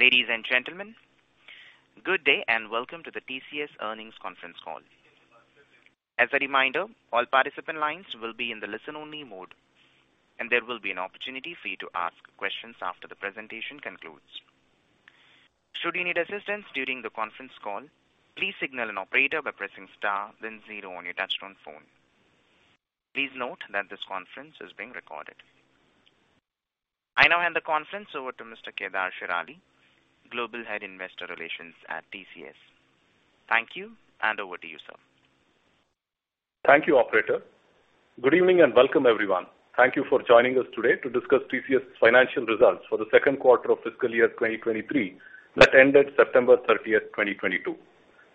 Ladies and gentlemen, good day and welcome to the TCS Earnings Conference Call. As a reminder, all participant lines will be in the listen-only mode, and there will be an opportunity for you to ask questions after the presentation concludes. Should you need assistance during the conference call, please signal an operator by pressing star then zero on your touchtone phone. Please note that this conference is being recorded. I now hand the conference over to Mr. Kedar Shirali, Global Head, Investor Relations at TCS. Thank you, and over to you, sir. Thank you, operator. Good evening and welcome everyone. Thank you for joining us today to discuss TCS financial results for the second quarter of fiscal year 2023 that ended September 30, 2022.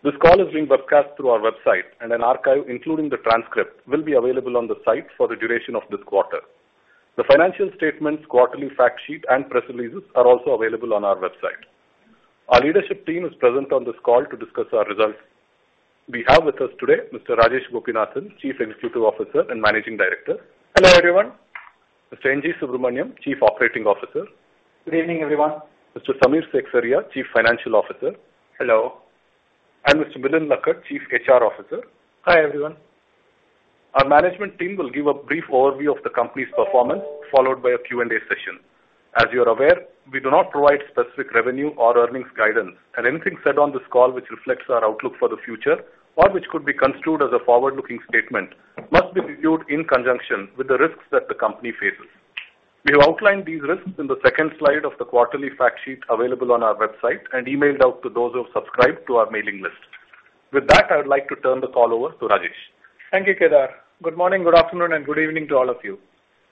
This call is being broadcast through our website and an archive, including the transcript, will be available on the site for the duration of this quarter. The financial statements, quarterly fact sheet and press releases are also available on our website. Our leadership team is present on this call to discuss our results. We have with us today Mr. Rajesh Gopinathan, Chief Executive Officer and Managing Director. Hello, everyone. Mr. N.G. Subramaniam, Chief Operating Officer. Good evening, everyone. Mr. Samir Seksaria, Chief Financial Officer. Hello. Mr. Milind Lakkad, Chief HR Officer. Hi, everyone. Our management team will give a brief overview of the company's performance, followed by a Q&A session. As you are aware, we do not provide specific revenue or earnings guidance and anything said on this call which reflects our outlook for the future or which could be construed as a forward-looking statement must be reviewed in conjunction with the risks that the company faces. We have outlined these risks in the second slide of the quarterly fact sheet available on our website and emailed out to those who have subscribed to our mailing list. With that, I would like to turn the call over to Rajesh. Thank you, Kedar. Good morning, good afternoon, and good evening to all of you.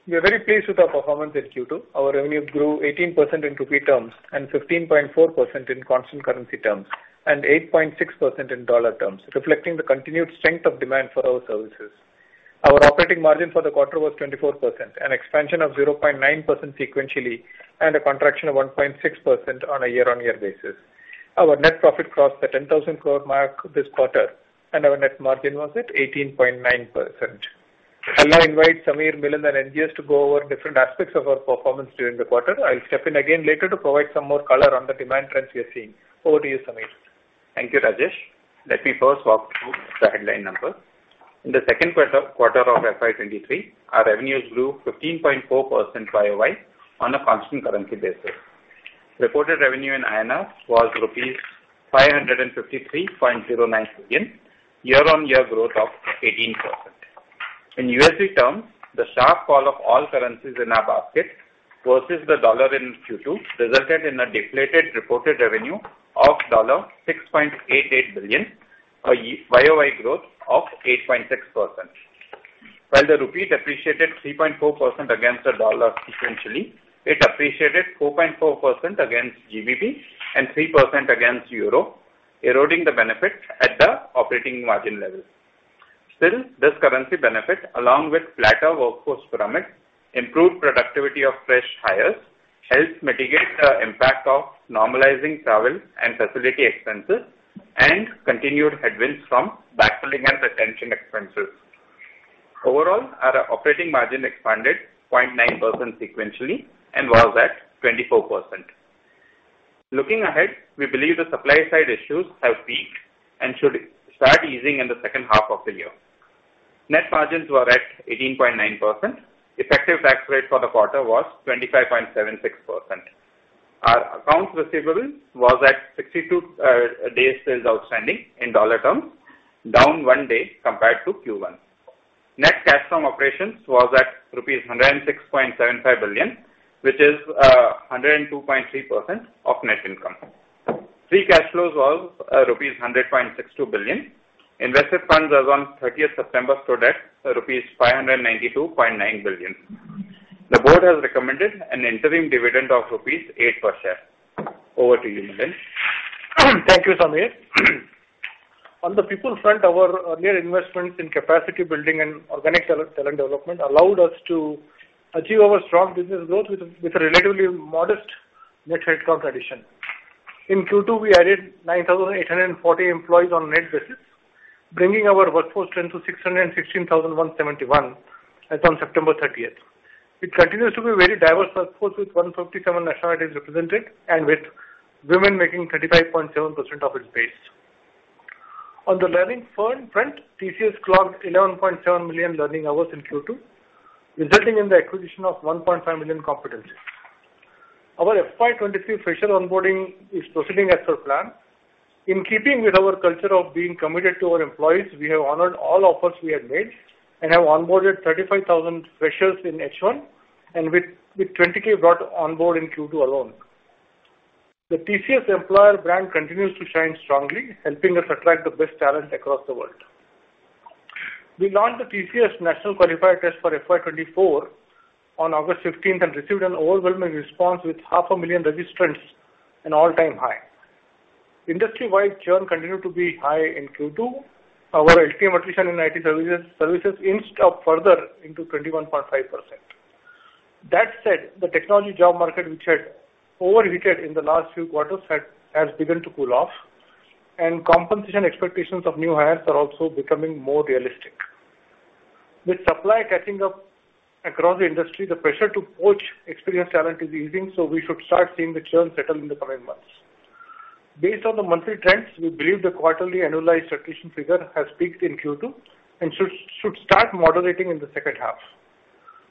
We are very pleased with our performance at Q2. Our revenues grew 18% in rupee terms and 15.4% in constant currency terms and 8.6% in dollar terms, reflecting the continued strength of demand for our services. Our operating margin for the quarter was 24%, an expansion of 0.9% sequentially and a contraction of 1.6% on a year-on-year basis. Our net profit crossed the 10,000 crore mark this quarter and our net margin was at 18.9%. I'll now invite Samir, Milind, and NG to go over different aspects of our performance during the quarter. I'll step in again later to provide some more color on the demand trends we are seeing. Over to you, Samir. Thank you, Rajesh. Let me first walk through the headline numbers. In the second quarter of FY 23, our revenues grew 15.4% YOY on a constant currency basis. Reported revenue in INR was rupees 553.09 billion, year-on-year growth of 18%. In USD terms, the sharp fall of all currencies in our basket versus the dollar in Q2 resulted in a deflated reported revenue of $6.88 billion, a YOY growth of 8.6%. While the rupee appreciated 3.4% against the dollar sequentially, it appreciated 4.4% against GBP and 3% against Euro, eroding the benefit at the operating margin level. Still, this currency benefit, along with flatter workforce pyramid, improved productivity of fresh hires, helped mitigate the impact of normalizing travel and facility expenses and continued headwinds from backfilling and retention expenses. Overall, our operating margin expanded 0.9% sequentially and was at 24%. Looking ahead, we believe the supply side issues have peaked and should start easing in the second half of the year. Net margins were at 18.9%. Effective tax rate for the quarter was 25.76%. Our accounts receivable was at sixty-two days sales outstanding in dollar terms, down one day compared to Q1. Net cash from operations was at rupees 106.75 billion, which is 102.3% of net income. Free cash flows was rupees 100.62 billion. Invested funds as on 30th September stood at rupees 592.9 billion. The board has recommended an interim dividend of rupees 8 per share. Over to you, Milind. Thank you, Samir. On the people front, our earlier investments in capacity building and organic talent development allowed us to achieve our strong business growth with a relatively modest net headcount addition. In Q2, we added 9,840 employees on net basis, bringing our workforce strength to 616,171 as on September thirtieth. It continues to be a very diverse workforce with 157 nationalities represented and with women making 35.7% of its base. On the learning front, TCS clocked 11.7 million learning hours in Q2, resulting in the acquisition of 1.5 million competencies. Our FY 2023 fresher onboarding is proceeding as per plan. In keeping with our culture of being committed to our employees, we have honored all offers we had made and have onboarded 35,000 freshers in H1 and with 20,000 brought on board in Q2 alone. The TCS employer brand continues to shine strongly, helping us attract the best talent across the world. We launched the TCS National Qualifier Test for FY 2024 on August 15 and received an overwhelming response with 500,000 registrants, an all-time high. Industry-wide churn continued to be high in Q2. Our LTM attrition in IT services inched up further to 21.5%. That said, the technology job market, which had overheated in the last few quarters, has begun to cool off, and compensation expectations of new hires are also becoming more realistic. With supply catching up across the industry, the pressure to poach experienced talent is easing, so we should start seeing the churn settle in the coming months. Based on the monthly trends, we believe the quarterly annualized attrition figure has peaked in Q2, and should start moderating in the second half.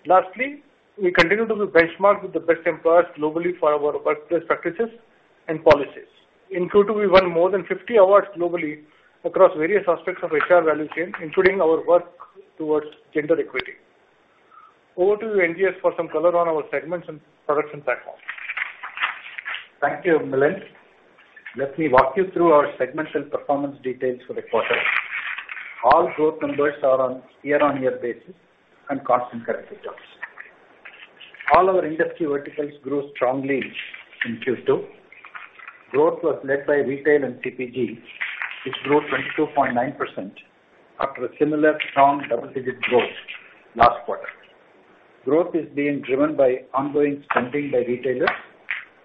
Lastly, we continue to benchmark with the best employers globally for our workplace practices and policies. In Q2, we won more than 50 awards globally across various aspects of HR value chain, including our work towards gender equity. Over to you, NGS, for some color on our segments and products and platforms. Thank you, Milind. Let me walk you through our segmental performance details for the quarter. All growth numbers are on year-on-year basis and constant currency terms. All our industry verticals grew strongly in Q2. Growth was led by retail and CPG, which grew 22.9% after a similar strong double-digit growth last quarter. Growth is being driven by ongoing spending by retailers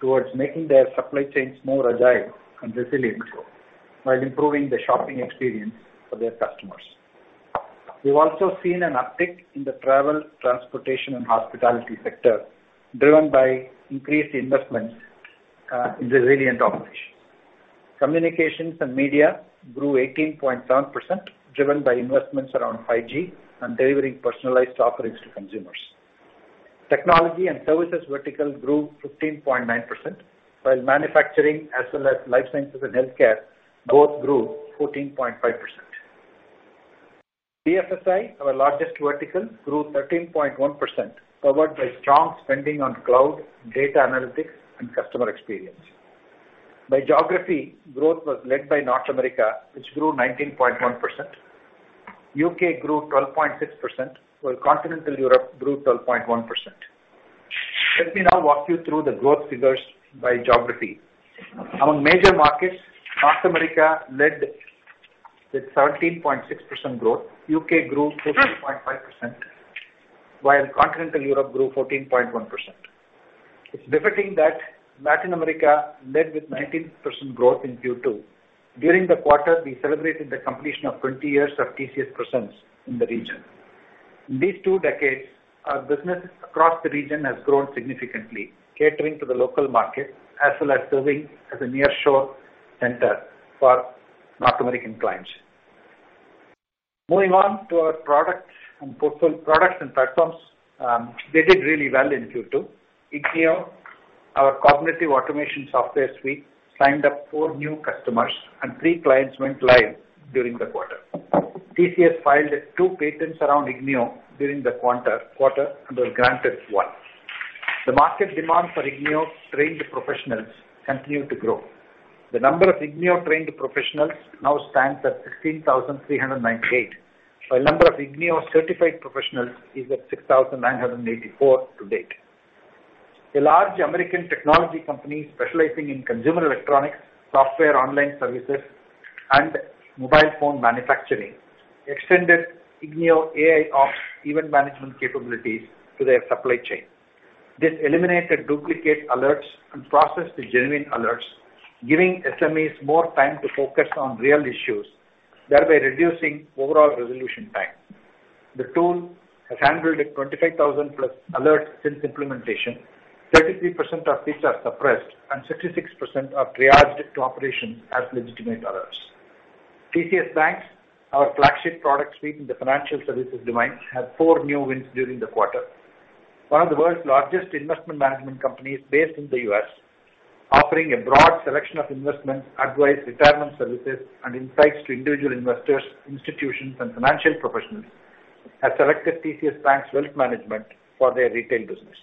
towards making their supply chains more agile and resilient, while improving the shopping experience for their customers. We've also seen an uptick in the travel, transportation, and hospitality sector, driven by increased investments in the resilient operations. Communications and media grew 18.7%, driven by investments around 5G and delivering personalized offerings to consumers. Technology and services vertical grew 15.9%, while manufacturing as well as life sciences and healthcare both grew 14.5%. BFSI, our largest vertical, grew 13.1%, powered by strong spending on cloud, data analytics, and customer experience. By geography, growth was led by North America, which grew 19.1%. UK grew 12.6%, while continental Europe grew 12.1%. Let me now walk you through the growth figures by geography. Among major markets, North America led with 13.6% growth. UK grew 14.5%, while continental Europe grew 14.1%. It's riveting that Latin America led with 19% growth in Q2. During the quarter, we celebrated the completion of 20 years of TCS presence in the region. In these two decades, our businesses across the region has grown significantly, catering to the local market as well as serving as a nearshore center for North American clients. Moving on to our products and platforms, they did really well in Q2. Ignio, our cognitive automation software suite, signed up 4 new customers and 3 clients went live during the quarter. TCS filed 2 patents around Ignio during the quarter and was granted 1. The market demand for Ignio-trained professionals continued to grow. The number of Ignio-trained professionals now stands at 16,398, while number of Ignio-certified professionals is at 6,984 to date. A large American technology company specializing in consumer electronics, software, online services, and mobile phone manufacturing extended Ignio AIOps event management capabilities to their supply chain. This eliminated duplicate alerts and processed the genuine alerts, giving SMEs more time to focus on real issues, thereby reducing overall resolution time. The tool has handled 25+ alerts since implementation, 33% of which are suppressed and 66% are triaged to operations as legitimate alerts. TCS BaNCS, our flagship product suite in the financial services domain, had 4 new wins during the quarter. One of the world's largest investment management companies based in the U.S., offering a broad selection of investment advice, retirement services, and insights to individual investors, institutions, and financial professionals, has selected TCS BaNCS for Wealth Management for their retail business.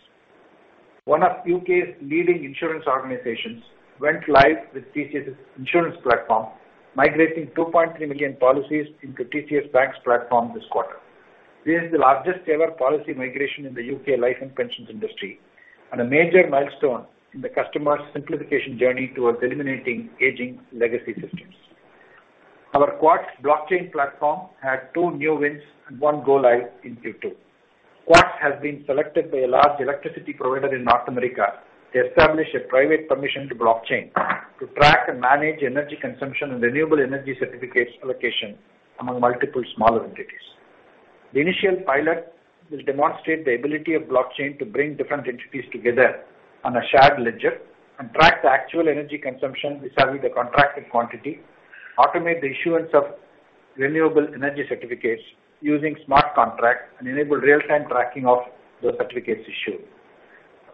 One of U.K.'s leading insurance organizations went live with TCS' insurance platform, migrating 2.3 million policies into TCS BaNCS platform this quarter. This is the largest ever policy migration in the U.K. life and pensions industry and a major milestone in the customer's simplification journey towards eliminating aging legacy systems. Our Quartz blockchain platform had 2 new wins and 1 go-live in Q2. Quartz has been selected by a large electricity provider in North America to establish a private permissioned blockchain to track and manage energy consumption and renewable energy certificates allocation among multiple smaller entities. The initial pilot will demonstrate the ability of blockchain to bring different entities together on a shared ledger and track the actual energy consumption vis-à-vis the contracted quantity, automate the issuance of renewable energy certificates using smart contracts, and enable real-time tracking of those certificates issued.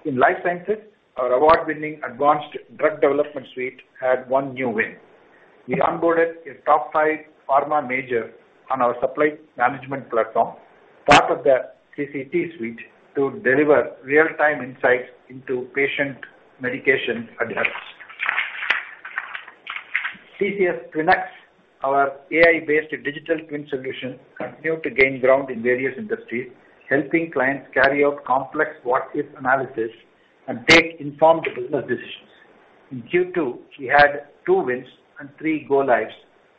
In life sciences, our award-winning Advanced Drug Development suite had one new win. We onboarded a top five pharma major on our supply management platform, part of the CCT suite, to deliver real-time insights into patient medication adherence. TCS TwinX, our AI-based digital twin solution, continued to gain ground in various industries, helping clients carry out complex what-if analysis and take informed business decisions. In Q2, we had 2 wins and 3 go-lives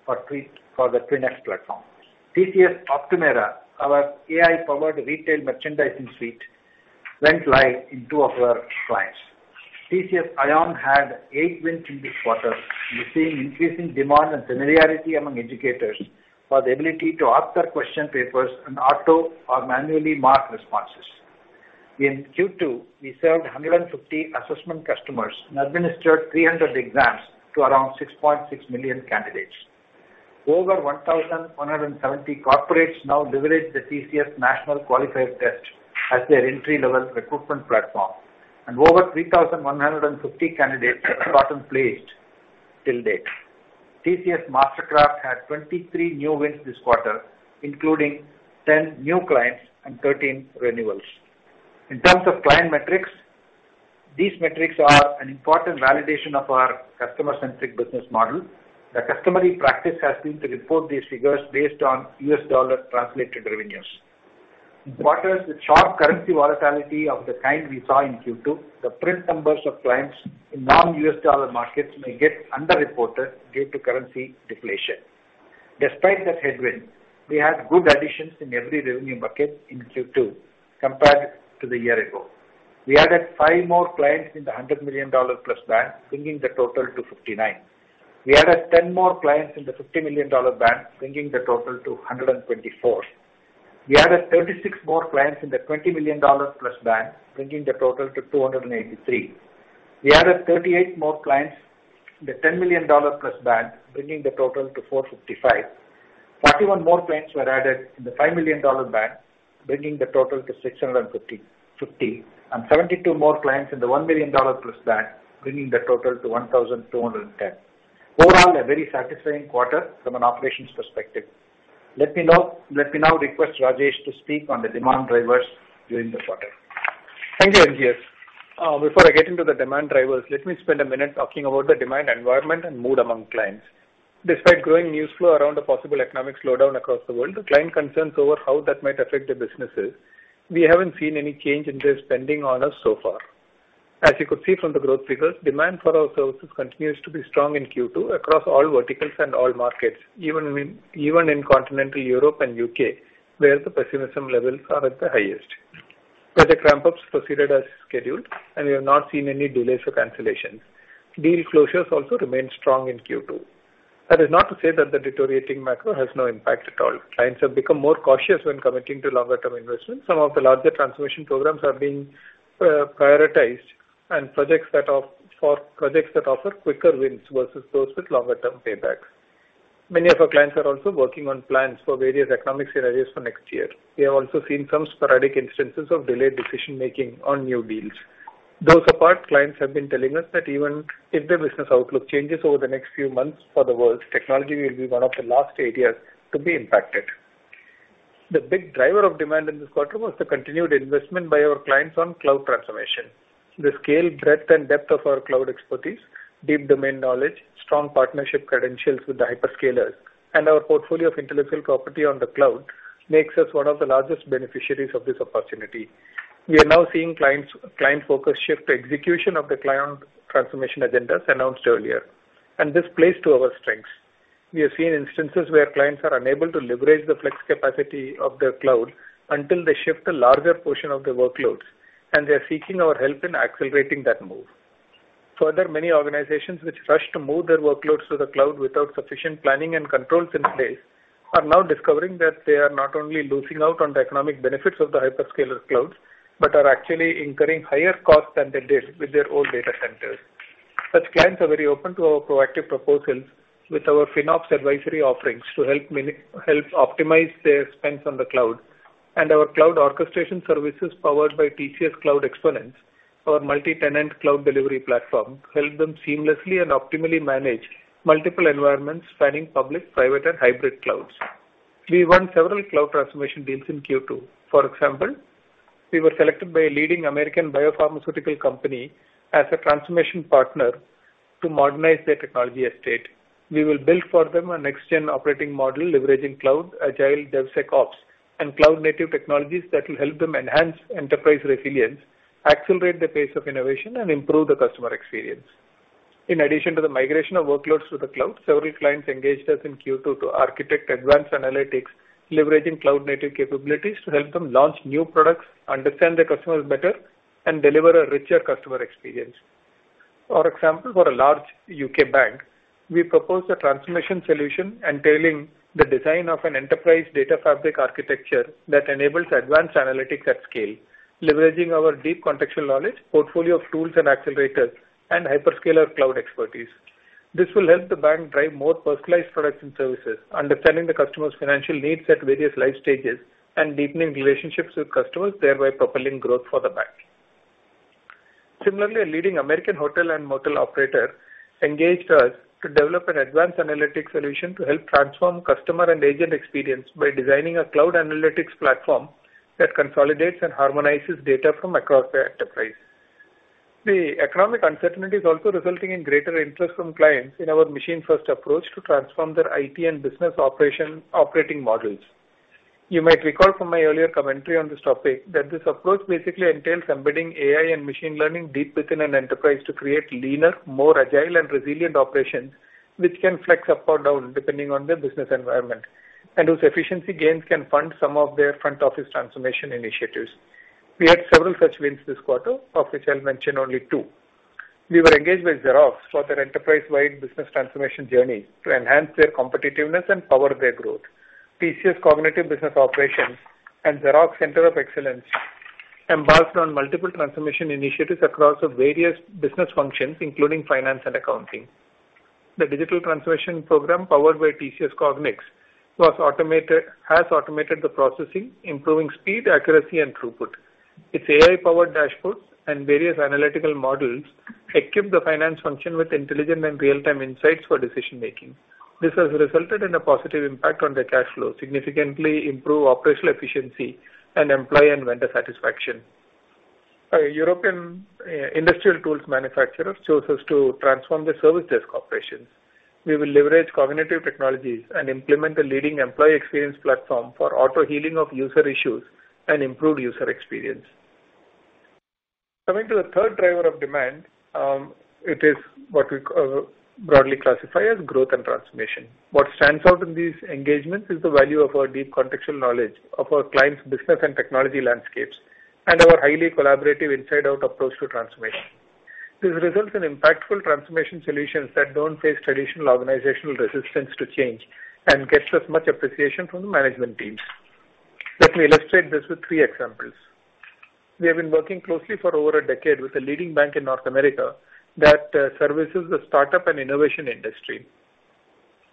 for the TCS TwinX platform. TCS Optumera, our AI-powered retail merchandising suite, went live in two of our clients. TCS iON had eight wins in this quarter. We're seeing increasing demand and familiarity among educators for the ability to author question papers and auto or manually mark responses. In Q2, we served 150 assessment customers and administered 300 exams to around 6.6 million candidates. Over 1,170 corporates now leverage the TCS National Qualifier Test as their entry-level recruitment platform, and over 3,150 candidates have gotten placed till date. TCS MasterCraft had 23 new wins this quarter, including 10 new clients and 13 renewals. In terms of client metrics, these metrics are an important validation of our customer-centric business model. The customary practice has been to report these figures based on U.S. dollar translated revenues. In quarters with sharp currency volatility of the kind we saw in Q2, the print numbers of clients in non-U.S. dollar markets may get underreported due to currency deflation. Despite that headwind, we had good additions in every revenue bucket in Q2 compared to the year ago. We added 5 more clients in the $100 million+ band, bringing the total to 59. We added 10 more clients in the $50 million band, bringing the total to 124. We added 36 more clients in the $20 million+ band, bringing the total to 283. We added 38 more clients in the $10 million+ band, bringing the total to 455. 31 more clients were added in the $5 million band, bringing the total to 655. Seventy-two more clients in the $1 million+ band, bringing the total to 1,210. Overall, a very satisfying quarter from an operations perspective. Let me now request Rajesh to speak on the demand drivers during the quarter. Thank you, NG. Before I get into the demand drivers, let me spend a minute talking about the demand environment and mood among clients. Despite growing news flow around a possible economic slowdown across the world, the client concerns over how that might affect their businesses, we haven't seen any change in their spending on us so far. As you could see from the growth figures, demand for our services continues to be strong in Q2 across all verticals and all markets, even in Continental Europe and U.K., where the pessimism levels are at the highest. Project ramp-ups proceeded as scheduled, and we have not seen any delays or cancellations. Deal closures also remained strong in Q2. That is not to say that the deteriorating macro has no impact at all. Clients have become more cautious when committing to longer-term investments. Some of the larger transformation programs are being prioritized for projects that offer quicker wins versus those with longer-term paybacks. Many of our clients are also working on plans for various economic scenarios for next year. We have also seen some sporadic instances of delayed decision-making on new deals. Those apart, clients have been telling us that even if their business outlook changes over the next few months for the world, technology will be one of the last areas to be impacted. The big driver of demand in this quarter was the continued investment by our clients on cloud transformation. The scale, breadth and depth of our cloud expertise, deep domain knowledge, strong partnership credentials with the hyperscalers, and our portfolio of intellectual property on the cloud makes us one of the largest beneficiaries of this opportunity. We are now seeing client focus shift to execution of the client transformation agendas announced earlier, and this plays to our strengths. We have seen instances where clients are unable to leverage the flex capacity of their cloud until they shift a larger portion of their workloads, and they are seeking our help in accelerating that move. Further, many organizations which rushed to move their workloads to the cloud without sufficient planning and controls in place are now discovering that they are not only losing out on the economic benefits of the hyperscaler clouds, but are actually incurring higher costs than they did with their own data centers. Such clients are very open to our proactive proposals with our FinOps advisory offerings to help optimize their spends on the cloud. Our cloud orchestration services powered by TCS Cloud Exponent, our multi-tenant cloud delivery platform, help them seamlessly and optimally manage multiple environments spanning public, private, and hybrid clouds. We won several cloud transformation deals in Q2. For example, we were selected by a leading American biopharmaceutical company as a transformation partner to modernize their technology estate. We will build for them a next-gen operating model leveraging cloud, Agile DevSecOps, and cloud-native technologies that will help them enhance enterprise resilience, accelerate the pace of innovation, and improve the customer experience. In addition to the migration of workloads to the cloud, several clients engaged us in Q2 to architect advanced analytics, leveraging cloud-native capabilities to help them launch new products, understand their customers better, and deliver a richer customer experience. For example, for a large U.K. bank, we proposed a transformation solution entailing the design of an enterprise data fabric architecture that enables advanced analytics at scale, leveraging our deep contextual knowledge, portfolio of tools and accelerators, and hyperscaler cloud expertise. This will help the bank drive more personalized products and services, understanding the customer's financial needs at various life stages, and deepening relationships with customers, thereby propelling growth for the bank. Similarly, a leading American hotel and motel operator engaged us to develop an advanced analytics solution to help transform customer and agent experience by designing a cloud analytics platform that consolidates and harmonizes data from across their enterprise. The economic uncertainty is also resulting in greater interest from clients in our machine-first approach to transform their IT and business operating models. You might recall from my earlier commentary on this topic that this approach basically entails embedding AI and machine learning deep within an enterprise to create leaner, more agile, and resilient operations which can flex up or down depending on their business environment and whose efficiency gains can fund some of their front office transformation initiatives. We had several such wins this quarter, of which I'll mention only two. We were engaged with Xerox for their enterprise-wide business transformation journey to enhance their competitiveness and power their growth. TCS Cognitive Business Operations and Xerox Center of Excellence embarked on multiple transformation initiatives across the various business functions, including finance and accounting. The digital transformation program, powered by TCS Cognix, has automated the processing, improving speed, accuracy, and throughput. Its AI-powered dashboards and various analytical models equip the finance function with intelligent and real-time insights for decision-making. This has resulted in a positive impact on their cash flow, significantly improving operational efficiency and employee and vendor satisfaction. A European industrial tools manufacturer chose us to transform their service desk operations. We will leverage cognitive technologies and implement a leading employee experience platform for auto-healing of user issues and improving user experience. Coming to the third driver of demand, it is what we broadly classify as growth and transformation. What stands out in these engagements is the value of our deep contextual knowledge of our clients' business and technology landscapes and our highly collaborative inside-out approach to transformation. This results in impactful transformation solutions that don't face traditional organizational resistance to change and gets us much appreciation from the management teams. Let me illustrate this with three examples. We have been working closely for over a decade with a leading bank in North America that services the start-up and innovation industry.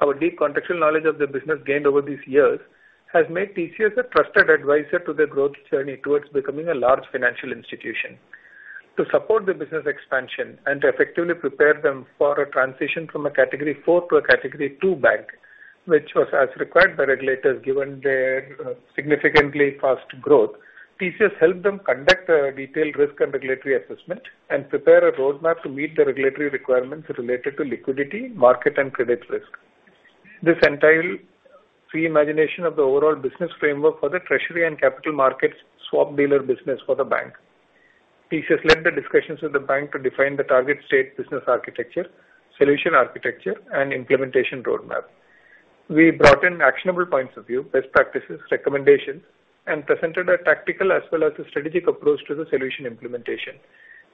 Our deep contextual knowledge of their business gained over these years has made TCS a trusted advisor to their growth journey towards becoming a large financial institution. To support their business expansion and effectively prepare them for a transition from a Category IV to a Category II bank, which was as required by regulators given their significantly fast growth, TCS helped them conduct a detailed risk and regulatory assessment and prepare a roadmap to meet the regulatory requirements related to liquidity, market, and credit risk. This entailed reimagination of the overall business framework for the treasury and capital markets swap dealer business for the bank. TCS led the discussions with the bank to define the target state business architecture, solution architecture, and implementation roadmap. We brought in actionable points of view, best practices, recommendations, and presented a tactical as well as a strategic approach to the solution implementation.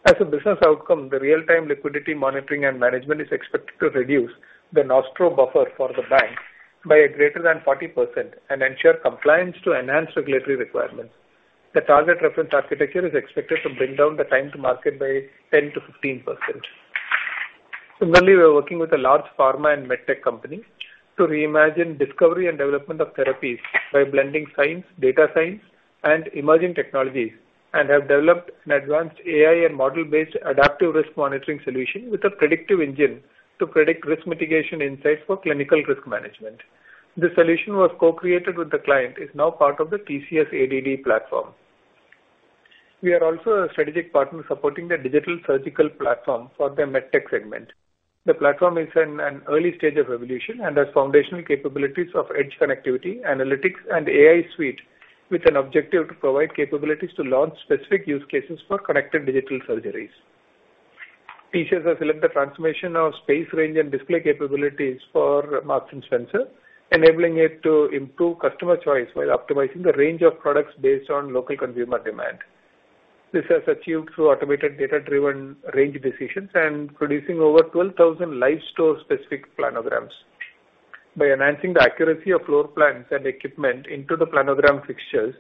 As a business outcome, the real-time liquidity monitoring and management is expected to reduce the Nostro buffer for the bank by a greater than 40% and ensure compliance to enhanced regulatory requirements. The target reference architecture is expected to bring down the time to market by 10%-15%. Similarly, we are working with a large pharma and med tech company to reimagine discovery and development of therapies by blending science, data science, and emerging technologies, and have developed an advanced AI and model-based adaptive risk monitoring solution with a predictive engine to predict risk mitigation insights for clinical risk management. This solution was co-created with the client, is now part of the TCS ADD platform. We are also a strategic partner supporting the digital surgical platform for their med tech segment. The platform is in an early stage of evolution and has foundational capabilities of edge connectivity, analytics, and AI suite, with an objective to provide capabilities to launch specific use cases for connected digital surgeries. TCS has led the transformation of space range and display capabilities for Marks & Spencer, enabling it to improve customer choice while optimizing the range of products based on local consumer demand. This was achieved through automated data-driven range decisions and producing over 12,000 live store-specific planograms. By enhancing the accuracy of floor plans and equipment into the planogram fixtures,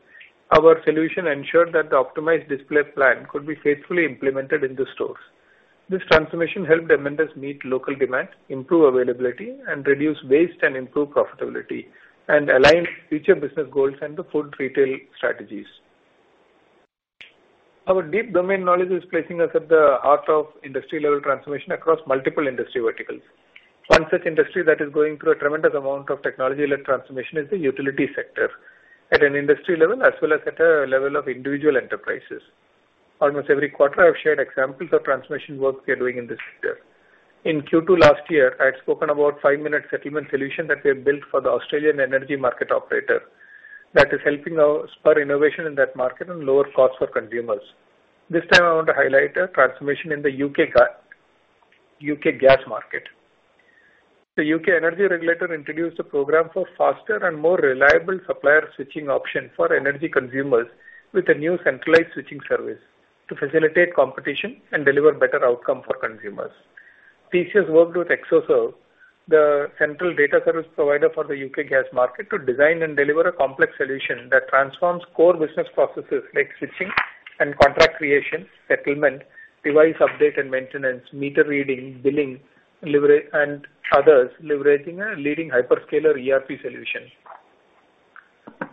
our solution ensured that the optimized display plan could be faithfully implemented in the stores. This transformation helped the members meet local demand, improve availability, and reduce waste and improve profitability, and align future business goals and the food retail strategies. Our deep domain knowledge is placing us at the heart of industry-level transformation across multiple industry verticals. One such industry that is going through a tremendous amount of technology-led transformation is the utility sector, at an industry level as well as at a level of individual enterprises. Almost every quarter, I've shared examples of transformation work we are doing in this sector. In Q2 last year, I had spoken about five-minute settlement solution that we have built for the Australian energy market operator that is helping now spur innovation in that market and lower costs for consumers. This time I want to highlight a transformation in the U.K. gas market. The U.K. energy regulator introduced a program for faster and more reliable supplier switching option for energy consumers with a new centralized switching service to facilitate competition and deliver better outcome for consumers. TCS worked with Xoserve, the central data service provider for the U.K. gas market, to design and deliver a complex solution that transforms core business processes like switching and contract creation, settlement, device update and maintenance, meter reading, billing, delivery and others, leveraging a leading hyperscaler ERP solution.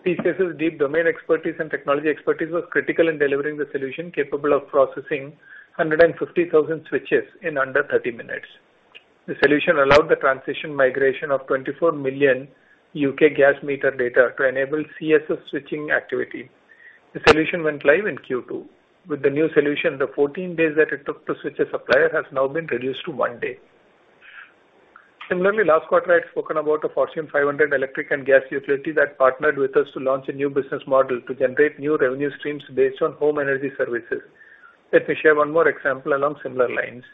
TCS's deep domain expertise and technology expertise was critical in delivering the solution capable of processing 150,000 switches in under 30 minutes. The solution allowed the transition migration of 24 million U.K. gas meter data to enable CSS switching activity. The solution went live in Q2. With the new solution, the 14 days that it took to switch a supplier has now been reduced to one day. Similarly, last quarter, I had spoken about a Fortune 500 electric and gas utility that partnered with us to launch a new business model to generate new revenue streams based on home energy services. Let me share one more example along similar lines.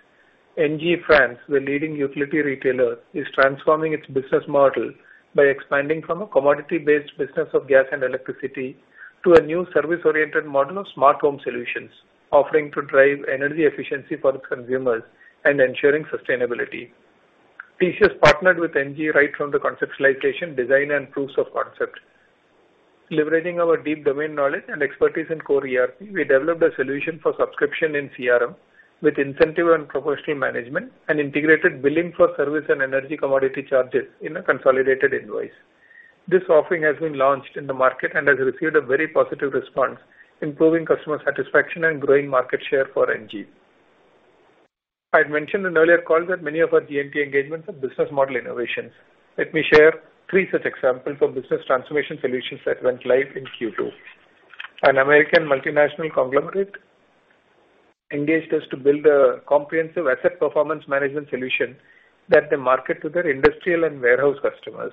ENGIE France, the leading utility retailer, is transforming its business model by expanding from a commodity-based business of gas and electricity to a new service-oriented model of smart home solutions offering to drive energy efficiency for the consumers and ensuring sustainability. TCS partnered with NG right from the conceptualization, design, and proofs of concept. Leveraging our deep domain knowledge and expertise in core ERP, we developed a solution for subscription in CRM with incentive and promotional management and integrated billing for service and energy commodity charges in a consolidated invoice. This offering has been launched in the market and has received a very positive response, improving customer satisfaction and growing market share for ENGIE. I'd mentioned in earlier calls that many of our G&T engagements are business model innovations. Let me share three such examples of business transformation solutions that went live in Q2. An American multinational conglomerate engaged us to build a comprehensive asset performance management solution that they market to their industrial and warehouse customers.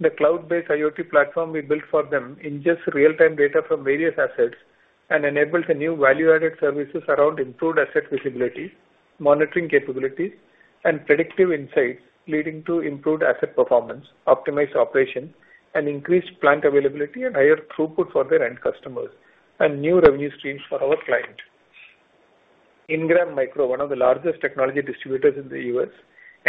The cloud-based IoT platform we built for them ingests real-time data from various assets and enables a new value-added services around improved asset visibility, monitoring capabilities and predictive insights, leading to improved asset performance, optimized operations, and increased plant availability and higher throughput for their end customers, and new revenue streams for our client. Ingram Micro, one of the largest technology distributors in the U.S.,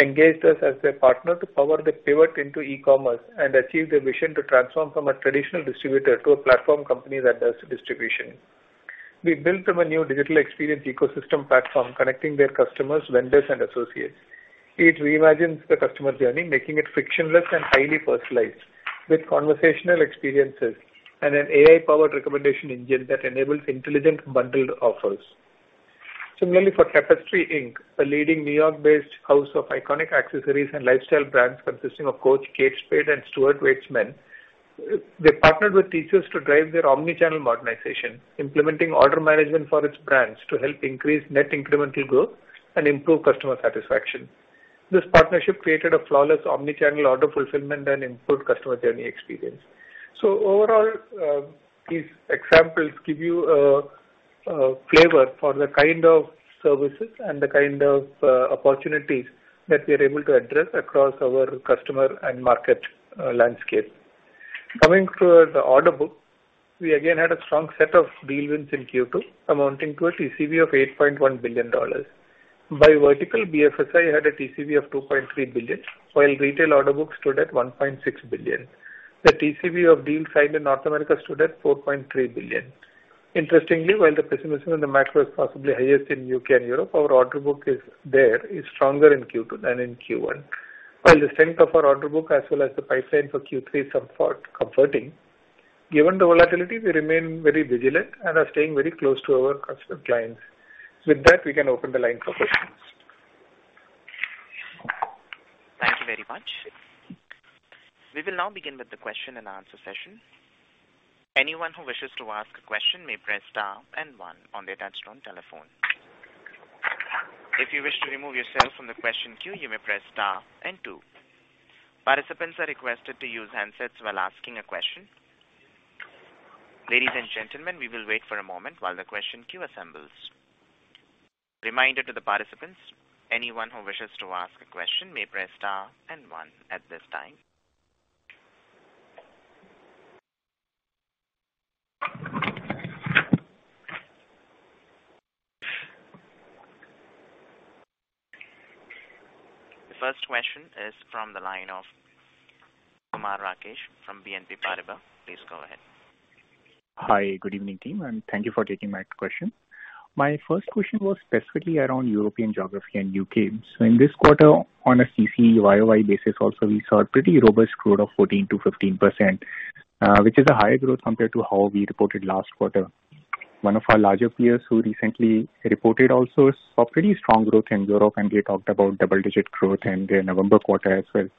engaged us as their partner to power their pivot into e-commerce and achieve their vision to transform from a traditional distributor to a platform company that does distribution. We built them a new digital experience ecosystem platform connecting their customers, vendors and associates. It reimagines the customer journey, making it frictionless and highly personalized with conversational experiences and an AI-powered recommendation engine that enables intelligent bundled offers. Similarly, for Tapestry, Inc., a leading New York-based house of iconic accessories and lifestyle brands consisting of Coach, Kate Spade and Stuart Weitzman. They partnered with TCS to drive their omnichannel modernization, implementing order management for its brands to help increase net incremental growth and improve customer satisfaction. This partnership created a flawless omnichannel order fulfillment and improved customer journey experience. Overall, these examples give you a flavor for the kind of services and the kind of opportunities that we are able to address across our customer and market landscape. Coming to the order book, we again had a strong set of deal wins in Q2, amounting to a TCV of $8.1 billion. By vertical, BFSI had a TCV of $2.3 billion, while retail order book stood at $1.6 billion. The TCV of deals signed in North America stood at $4.3 billion. Interestingly, while the pessimism in the macro is possibly highest in U.K. and Europe, our order book is stronger in Q2 than in Q1. While the strength of our order book as well as the pipeline for Q3 is comforting. Given the volatility, we remain very vigilant and are staying very close to our customer clients. With that, we can open the line for questions. Thank you very much. We will now begin with the question-and-answer session. Anyone who wishes to ask a question may press star and one on their touchtone telephone. If you wish to remove yourself from the question queue, you may press star and two. Participants are requested to use handsets while asking a question. Ladies and gentlemen, we will wait for a moment while the question queue assembles. Reminder to the participants, anyone who wishes to ask a question may press star and one at this time. The first question is from the line of Kumar Rakesh from BNP Paribas. Please go ahead. Hi. Good evening, team, and thank you for taking my question. My first question was specifically around European geography and U.K. In this quarter on a CC YOY basis also we saw a pretty robust growth of 14%-15%, which is a higher growth compared to how we reported last quarter. One of our larger peers who recently reported also saw pretty strong growth in Europe, and they talked about double-digit growth in their November quarter as well.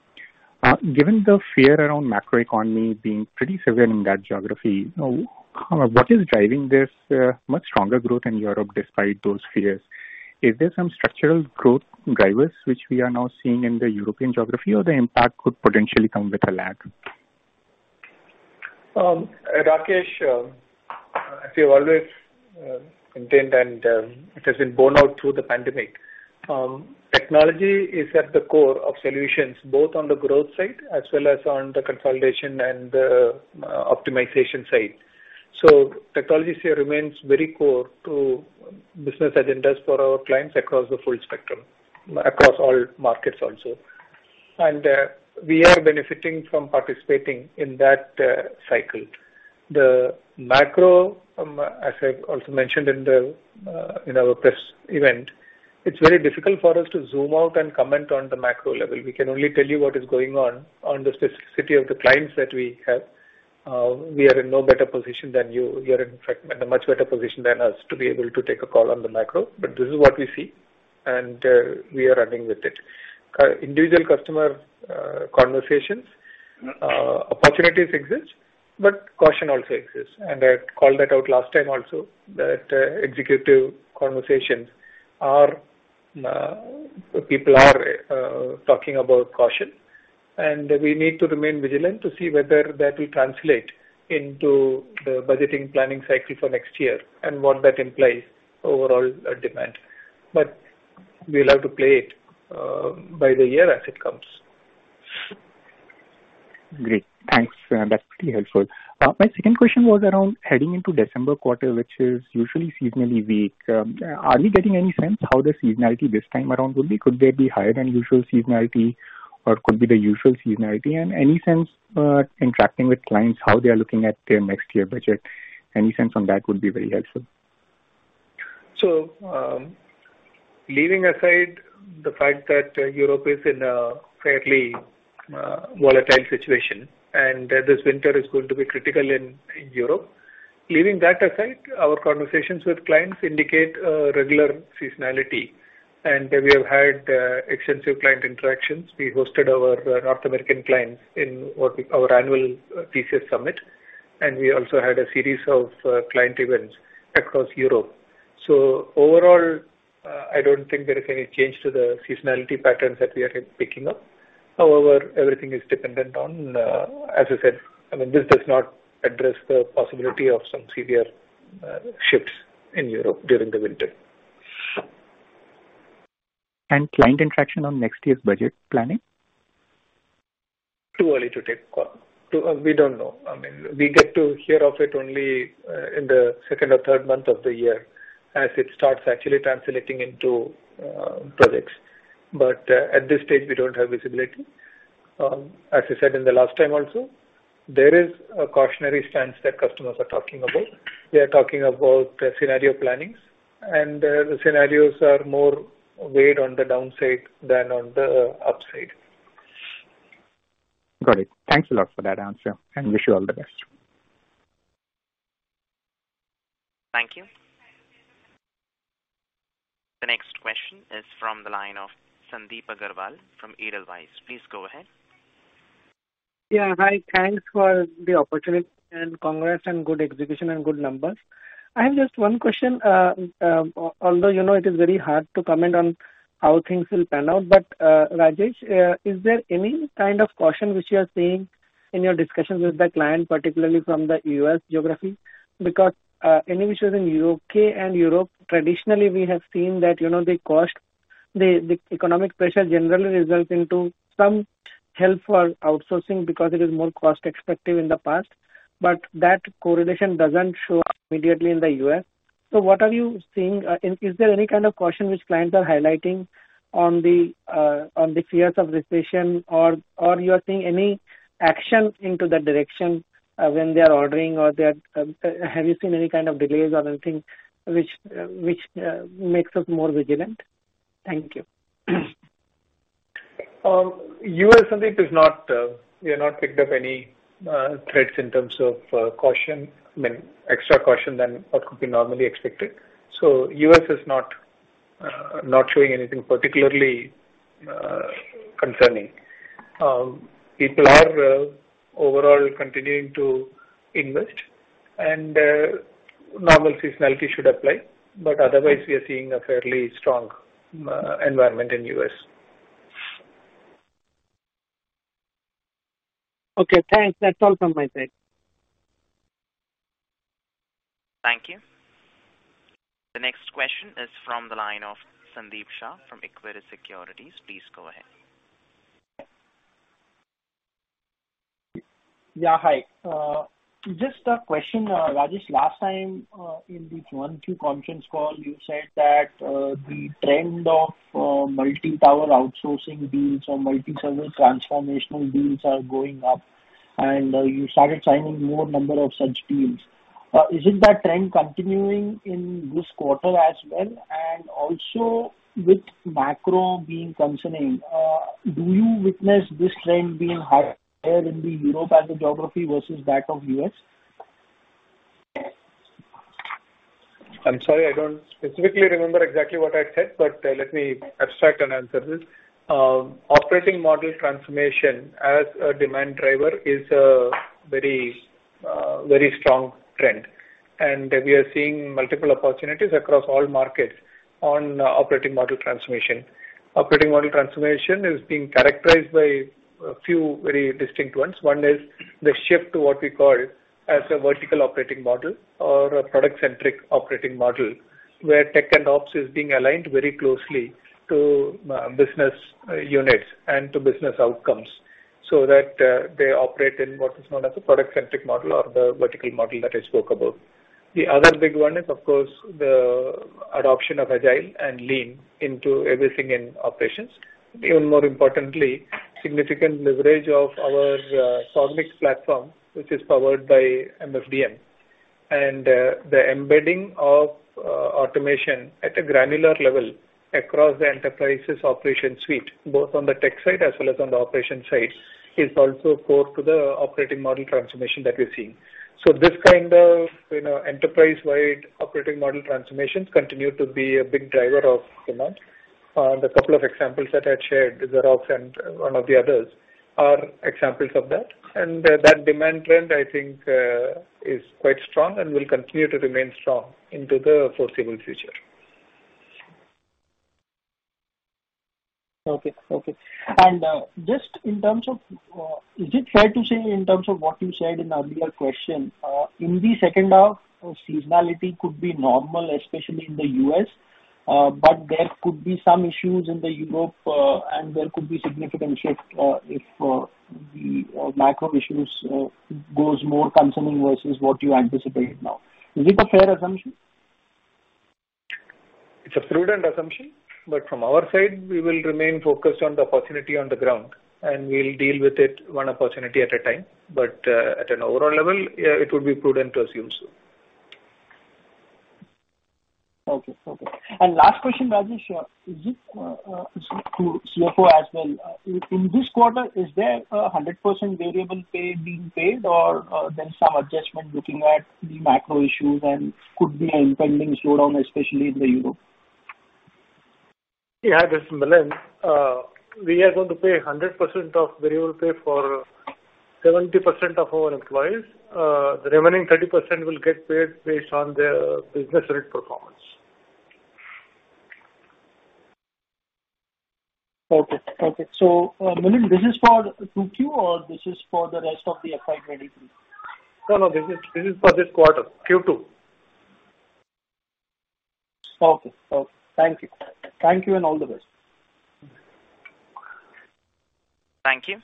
Given the fear around macroeconomy being pretty severe in that geography, what is driving this much stronger growth in Europe despite those fears? Is there some structural growth drivers which we are now seeing in the European geography, or the impact could potentially come with a lag? Rakesh, as we've always maintained and it has been borne out through the pandemic, technology is at the core of solutions both on the growth side as well as on the consolidation and optimization side. Technology here remains very core to business agendas for our clients across the full spectrum, across all markets also. We are benefiting from participating in that cycle. The macro, as I've also mentioned in our press event, it's very difficult for us to zoom out and comment on the macro level. We can only tell you what is going on on the specificity of the clients that we have. We are in no better position than you. You're in fact in a much better position than us to be able to take a call on the macro. This is what we see, and we are running with it. Individual customer conversations, opportunities exist, but caution also exists. I called that out last time also that executive conversations are people are talking about caution. We need to remain vigilant to see whether that will translate into the budgeting planning cycle for next year and what that implies overall demand. We'll have to play it by the year as it comes. Great. Thanks. That's pretty helpful. My second question was around heading into December quarter, which is usually seasonally weak. Are you getting any sense how the seasonality this time around will be? Could they be higher than usual seasonality or could be the usual seasonality? Any sense, interacting with clients, how they are looking at their next year budget? Any sense on that would be very helpful. Leaving aside the fact that Europe is in a fairly volatile situation and that this winter is going to be critical in Europe. Leaving that aside, our conversations with clients indicate a regular seasonality. We have had extensive client interactions. We hosted our North American clients in our annual TCS summit, and we also had a series of client events across Europe. Overall, I don't think there is any change to the seasonality patterns that we are picking up. However, everything is dependent on, as I said, I mean, this does not address the possibility of some severe shifts in Europe during the winter. Client interaction on next year's budget planning? Too early to take call. We don't know. I mean, we get to hear of it only in the second or third month of the year as it starts actually translating into projects. At this stage, we don't have visibility. As I said in the last time also, there is a cautionary stance that customers are talking about. They are talking about scenario plannings, and the scenarios are more weighed on the downside than on the upside. Got it. Thanks a lot for that answer, and wish you all the best. Thank you. The next question is from the line of Sandip Agarwal from Edelweiss. Please go ahead. Hi. Thanks for the opportunity and congrats on good execution and good numbers. I have just one question. Although, you know, it is very hard to comment on how things will pan out. Rajesh, is there any kind of caution which you are seeing in your discussions with the client, particularly from the U.S. geography? Because any issues in U.K. and Europe, traditionally, we have seen that, you know, the economic pressure generally results into some help for outsourcing because it is more cost-effective in the past. But that correlation doesn't show up immediately in the U.S. What are you seeing? Is there any kind of caution which clients are highlighting on the fears of recession or you are seeing any action into that direction when they are ordering or they are? Have you seen any kind of delays or anything which makes us more vigilant? Thank you. U.S., Sandeep, we have not picked up any threats in terms of caution. I mean, extra caution than what could be normally expected. U.S. is not showing anything particularly concerning. People are overall continuing to invest and normal seasonality should apply. Otherwise we are seeing a fairly strong environment in U.S. Okay, thanks. That's all from my side. Thank you. The next question is from the line of Sandeep Shah from Equirus Securities. Please go ahead. Hi. Just a question, Rajesh. Last time, in the Q1 FY conference call, you said that the trend of multi-tower outsourcing deals or multi-service transformational deals are going up, and you started signing more number of such deals. Is that trend continuing in this quarter as well? Also with macro being concerning, do you witness this trend being higher in Europe as a geography versus that of the US? I'm sorry, I don't specifically remember exactly what I said, but let me abstract and answer this. Operating model transformation as a demand driver is a very, very strong trend, and we are seeing multiple opportunities across all markets on operating model transformation. Operating model transformation is being characterized by a few very distinct ones. One is the shift to what we call as a vertical operating model or a product-centric operating model, where tech and ops is being aligned very closely to business units and to business outcomes, so that they operate in what is known as a product-centric model or the vertical model that I spoke about. The other big one is of course the adoption of Agile and Lean into everything in operations. Even more importantly, significant leverage of our Cognix platform, which is powered by MFDM. The embedding of automation at a granular level across the enterprise's operation suite, both on the tech side as well as on the operation side, is also core to the operating model transformation that we're seeing. This kind of, you know, enterprise-wide operating model transformations continue to be a big driver of demand. The couple of examples that I had shared, Xerox and one of the others, are examples of that. That demand trend, I think, is quite strong and will continue to remain strong into the foreseeable future. Okay. Just in terms of is it fair to say in terms of what you said in earlier question, in the second half, seasonality could be normal, especially in the U.S.? There could be some issues in Europe, and there could be significant shift, if the macro issues goes more concerning versus what you anticipate now. Is it a fair assumption? It's a prudent assumption. From our side, we will remain focused on the opportunity on the ground, and we'll deal with it one opportunity at a time. At an overall level,, it would be prudent to assume so. Last question, Rajesh. To CFO as well. In this quarter, is there 100% variable pay being paid or there's some adjustment looking at the macro issues and could be an impending slowdown, especially in Europe? This is Milind. We are going to pay 100% of variable pay for 70% of our employees. The remaining 30% will get paid based on their business unit performance. Okay. Milind, this is for 2Q or this is for the rest of the FY 2023? No. This is for this quarter, Q2. Okay. Thank you, and all the best. Thank you.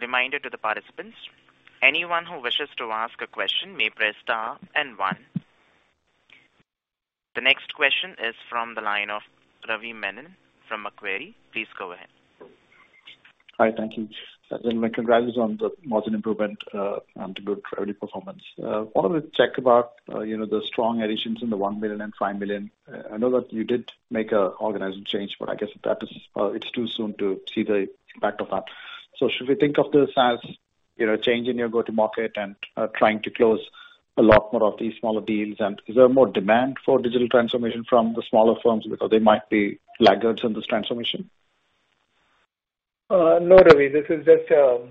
Reminder to the participants. Anyone who wishes to ask a question may press star and one. The next question is from the line of Ravi Menon from Macquarie. Please go ahead. Hi. Thank you. Gentlemen, congrats on the margin improvement and the good revenue performance. Wanted to check about, you know, the strong additions in the $1 million and $5 million. I know that you did make an organizing change, but I guess that is, it's too soon to see the impact of that. Should we think of this as, you know, a change in your go-to market and trying to close a lot more of these smaller deals? Is there more demand for digital transformation from the smaller firms because they might be laggards in this transformation? No, Ravi. This is just a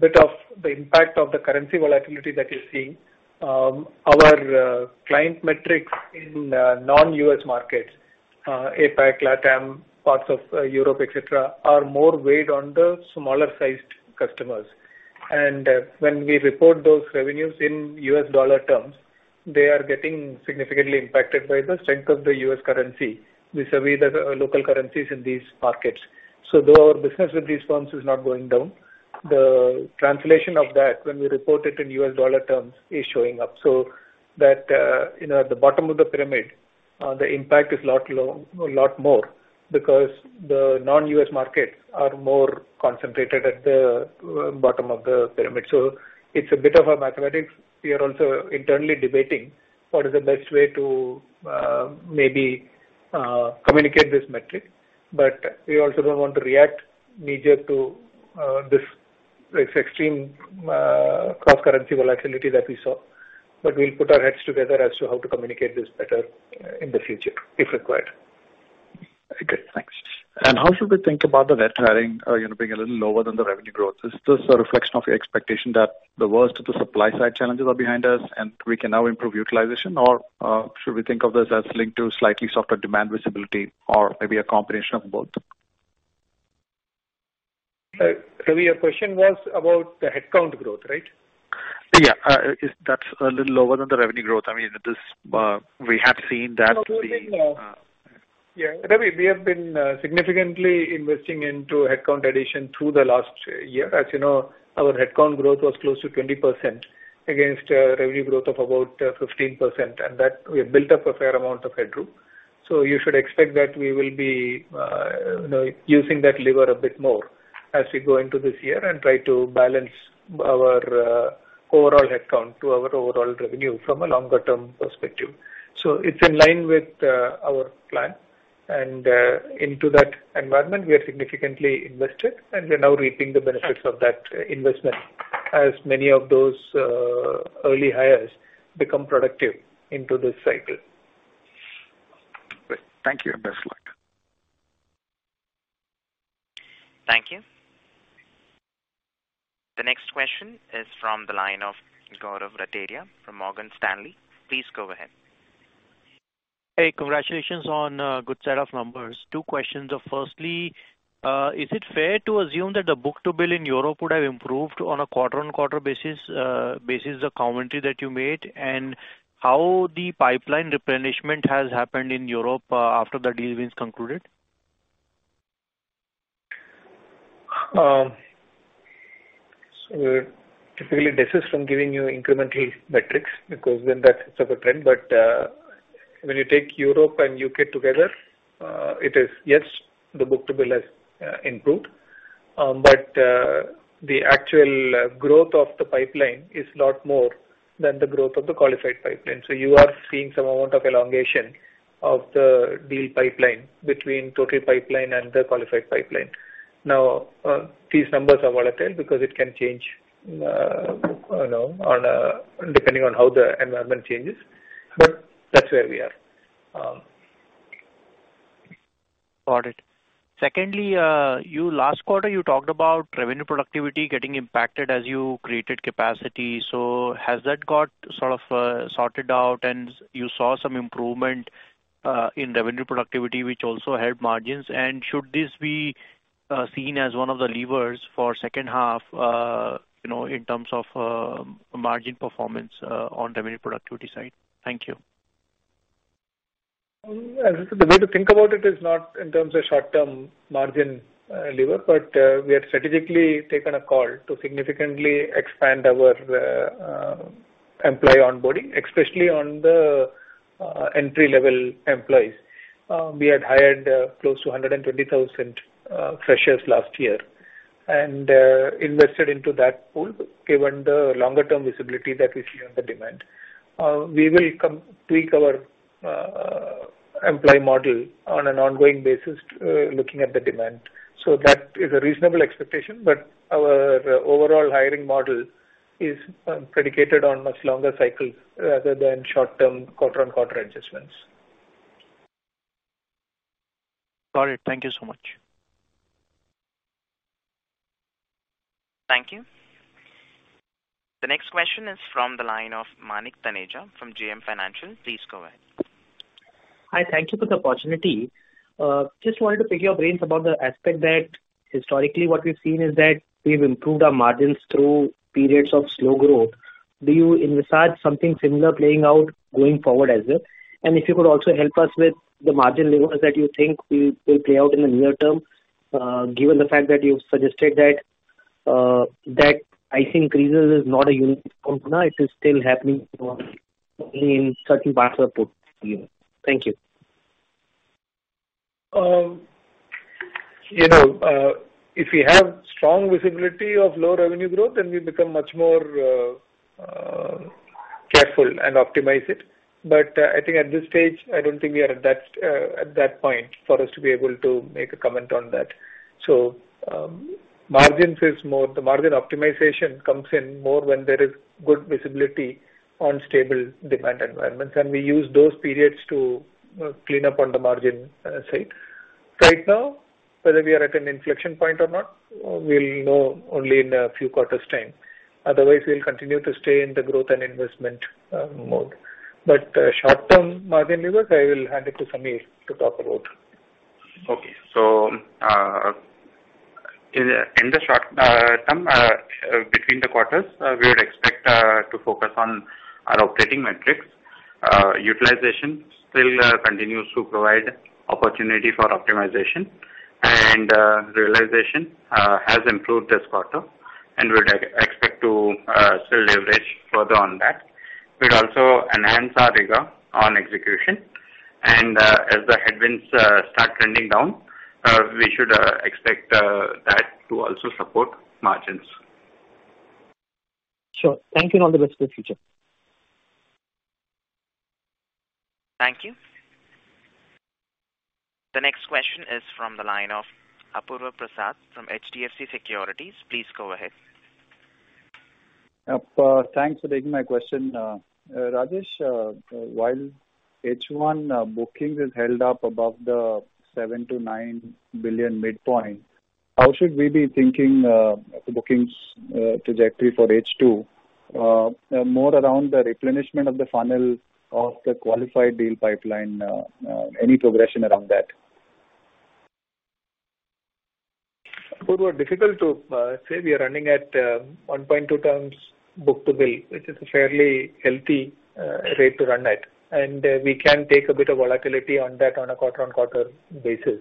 bit of the impact of the currency volatility that you're seeing. Our client metrics in non-US markets, APAC, LATAM, parts of Europe, et cetera, are more weighed on the smaller-sized customers. When we report those revenues in US dollar terms, they are getting significantly impacted by the strength of the US currency vis-a-vis the local currencies in these markets. Though our business with these firms is not going down, the translation of that when we report it in US dollar terms is showing up. That, you know, at the bottom of the pyramid, the impact is a lot more because the non-US markets are more concentrated at the bottom of the pyramid. It's a bit of a mathematics. We are also internally debating what is the best way to maybe communicate this metric. We also don't want to react majorly to this extreme cross-currency volatility that we saw. We'll put our heads together as to how to communicate this better in the future, if required. Okay, thanks. How should we think about the net hiring, you know, being a little lower than the revenue growth? Is this a reflection of your expectation that the worst of the supply side challenges are behind us and we can now improve utilization? Should we think of this as linked to slightly softer demand visibility or maybe a combination of both? Ravi, your question was about the headcount growth, right? That's a little lower than the revenue growth. I mean, this, we have seen that the- Ravi, we have been significantly investing into headcount addition through the last year. As you know, our headcount growth was close to 20% against revenue growth of about 15%, and that we have built up a fair amount of headroom. You should expect that we will be you know, using that lever a bit more as we go into this year and try to balance our overall headcount to our overall revenue from a longer term perspective. It's in line with our plan. Into that environment, we have significantly invested, and we are now reaping the benefits of that investment as many of those early hires become productive into this cycle. Great. Thank you, and best luck. Thank you. The next question is from the line of Gaurav Rateria from Morgan Stanley. Please go ahead. Hey, congratulations on a good set of numbers. Two questions. Firstly, is it fair to assume that the book-to-bill in Europe would have improved on a quarter-on-quarter basis, the commentary that you made, and how the pipeline replenishment has happened in Europe, after the deal wins concluded? We typically desist from giving you incremental metrics because then that sets up a trend. When you take Europe and U.K. together, it is, yes, the book-to-bill has improved. The actual growth of the pipeline is lot more than the growth of the qualified pipeline. You are seeing some amount of elongation of the deal pipeline between total pipeline and the qualified pipeline. Now, these numbers are volatile because it can change, you know, on depending on how the environment changes, but that's where we are. Got it. Secondly, last quarter you talked about revenue productivity getting impacted as you created capacity. Has that got sort of sorted out and you saw some improvement in revenue productivity, which also helped margins? Should this be seen as one of the levers for second half, you know, in terms of margin performance on revenue productivity side. Thank you. The way to think about it is not in terms of short-term margin lever, but we have strategically taken a call to significantly expand our employee onboarding, especially on the entry-level employees. We had hired close to 120,000 freshers last year and invested into that pool given the longer-term visibility that we see on the demand. We will continuously tweak our employee model on an ongoing basis looking at the demand. That is a reasonable expectation, but our overall hiring model is predicated on much longer cycle rather than short-term quarter-on-quarter adjustments. Got it. Thank you so much. Thank you. The next question is from the line of Manik Taneja from JM Financial. Please go ahead. Hi. Thank you for the opportunity. Just wanted to pick your brains about the aspect that historically what we've seen is that we've improved our margins through periods of slow growth. Do you envisage something similar playing out going forward as well? If you could also help us with the margin levers that you think we will play out in the near term, given the fact that you've suggested that price increases is not a unique component, it is still happening only in certain parts of the year. Thank you. You know, if we have strong visibility of low revenue growth, then we become much more careful and optimize it. I think at this stage, I don't think we are at that point for us to be able to make a comment on that. The margin optimization comes in more when there is good visibility on stable demand environments, and we use those periods to clean up on the margin side. Right now, whether we are at an inflection point or not, we'll know only in a few quarters time. Otherwise, we'll continue to stay in the growth and investment mode. Short-term margin levers, I will hand it to Samir to talk about. Okay. In the short term, between the quarters, we would expect to focus on our operating metrics. Utilization still continues to provide opportunity for optimization, and realization has improved this quarter, and we'd expect to still leverage further on that. We'd also enhance our rigor on execution and, as the headwinds start trending down, we should expect that to also support margins. Sure. Thank you and all the best for the future. Thank you. The next question is from the line of Apurva Prasad from HDFC Securities. Please go ahead. Thanks for taking my question. Rajesh, while H1 bookings has held up above the $7 billion-$9 billion midpoint, how should we be thinking of the bookings trajectory for H2? More around the replenishment of the funnel of the qualified deal pipeline, any progression around that. Apurva, difficult to say we are running at 1.2x book-to-bill, which is a fairly healthy rate to run at, and we can take a bit of volatility on that on a quarter-on-quarter basis.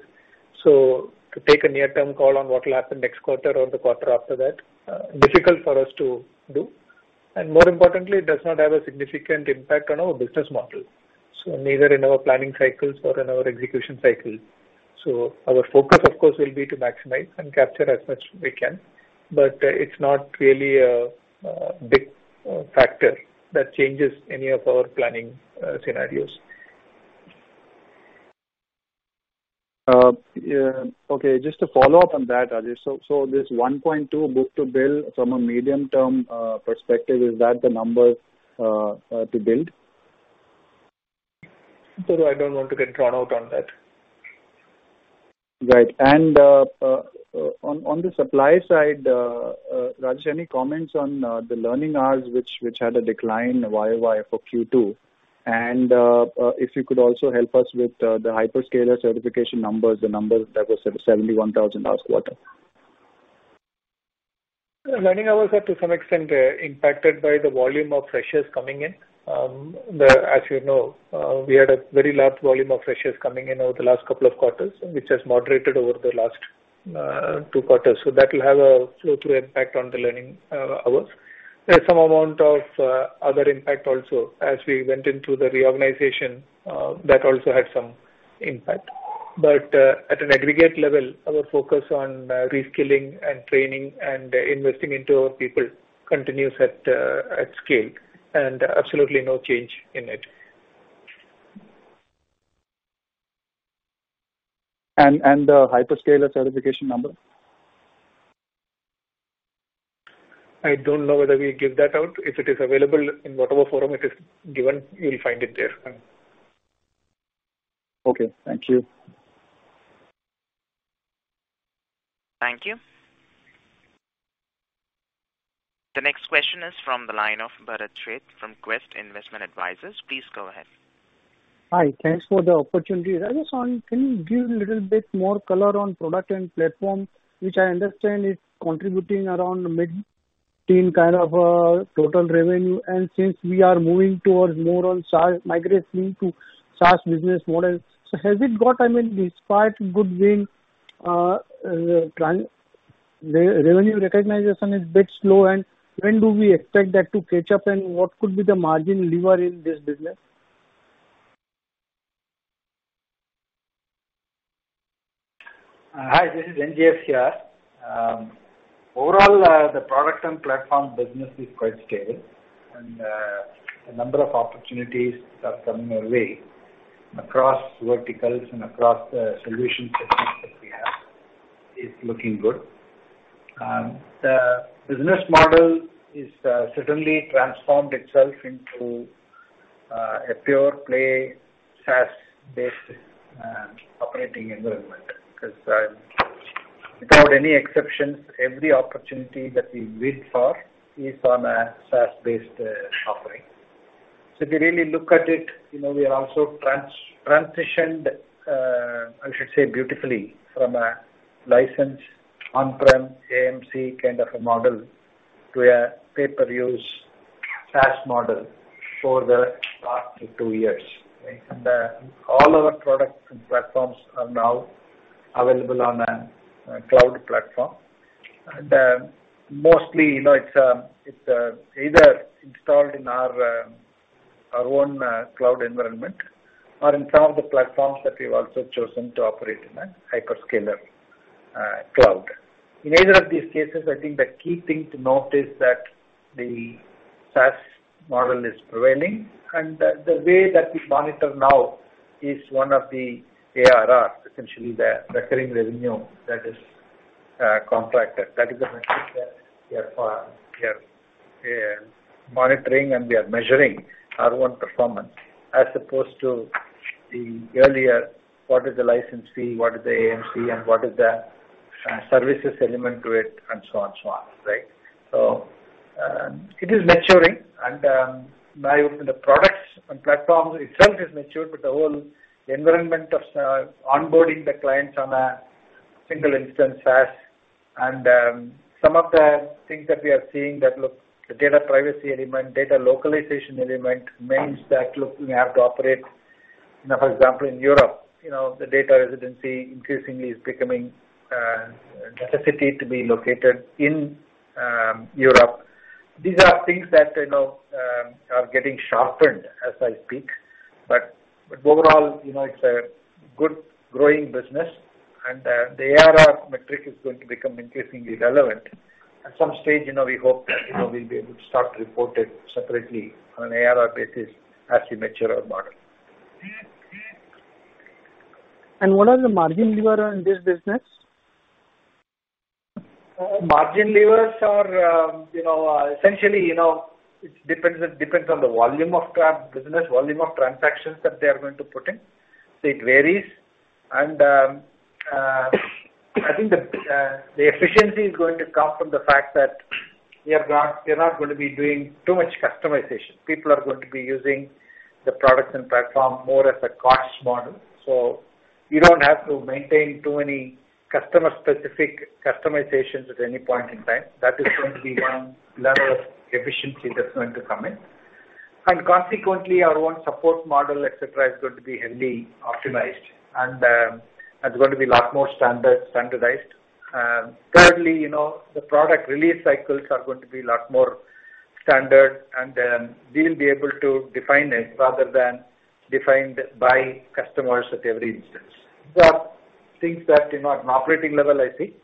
To take a near-term call on what will happen next quarter or the quarter after that, difficult for us to do. More importantly, it does not have a significant impact on our business model. Neither in our planning cycles or in our execution cycles. Our focus, of course, will be to maximize and capture as much as we can, but it's not really a big factor that changes any of our planning scenarios. Okay. Just to follow up on that, Rajesh. This 1.2 book-to-bill from a medium-term perspective, is that the number to build? I don't want to get drawn out on that. Right. On the supply side, Rajesh, any comments on the learning hours which had a decline YOY for Q2? If you could also help us with the hyperscaler certification numbers, the numbers that was 71,000 last quarter. Learning hours are to some extent impacted by the volume of freshers coming in. As you know, we had a very large volume of freshers coming in over the last couple of quarters, which has moderated over the last two quarters. That will have a flow-through impact on the learning hours. There's some amount of other impact also as we went into the reorganization that also had some impact. At an aggregate level, our focus on reskilling and training and investing into our people continues at scale and absolutely no change in it. the hyperscaler certification number? I don't know whether we give that out. If it is available in whatever forum it is given, you'll find it there. Okay. Thank you. Thank you. The next question is from the line of Bharat Sheth from Quest Investment Advisors. Please go ahead. Hi. Thanks for the opportunity. Can you give a little bit more color on products and platforms, which I understand is contributing around mid-teen kind of total revenue. Since we are moving towards more on SaaS migrating to SaaS business model. Has it got, I mean, despite good win, revenue recognition is bit slow and when do we expect that to catch up and what could be the margin lever in this business? Hi, this is NGS here. Overall, the product and platform business is quite stable and the number of opportunities that are coming our way across verticals and across solution segments that we have is looking good. The business model is certainly transformed itself into a pure play SaaS-based operating environment. Because without any exceptions, every opportunity that we wait for is on a SaaS-based offering. If you really look at it, you know, we have also transitioned, I should say beautifully from a licensed on-prem AMC kind of a model to a pay-per-use SaaS model for the past two years, right? All our products and platforms are now available on a cloud platform. Mostly, you know, it's either installed in our own cloud environment or in some of the platforms that we've also chosen to operate in a hyperscaler cloud. In either of these cases, I think the key thing to note is that the SaaS model is prevailing and the way that we monitor now is one of the ARR, essentially the recurring revenue that is contracted. That is the metric that we are monitoring and we are measuring our own performance as opposed to the earlier, what is the license fee, what is the AMC and what is the services element to it and so on and so on, right? It is maturing and not only the products and platforms itself is matured, but the whole environment of onboarding the clients on a single instance SaaS. Some of the things that we are seeing that look, the data privacy element, data localization element means that, look, we have to operate. You know, for example, in Europe, you know, the data residency increasingly is becoming a necessity to be located in Europe. These are things that, you know, are getting sharpened as I speak. But overall, you know, it's a good growing business. The ARR metric is going to become increasingly relevant. At some stage, you know, we hope that, you know, we'll be able to start to report it separately on an ARR basis as we mature our model. What are the margin levers in this business? Margin levers are, you know, essentially, you know, it depends on the volume of business, volume of transactions that they are going to put in. So it varies. I think the efficiency is going to come from the fact that we are not gonna be doing too much customization. People are going to be using the products and platform more as a cost model. So we don't have to maintain too many customer specific customizations at any point in time. That is going to be one level of efficiency that's going to come in. Consequently, our own support model, et cetera, is going to be heavily optimized and it's going to be a lot more standardized. Thirdly, you know, the product release cycles are going to be a lot more standard and we'll be able to define it rather than defined by customers at every instance. These are things that, you know, at an operating level I see.